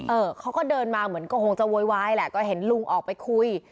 เออเขาก็เดินมาเหมือนก็คงจะโวยวายแหละก็เห็นลุงออกไปคุย